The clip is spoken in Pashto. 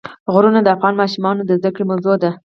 غرونه د افغان ماشومانو د زده کړې موضوع ده.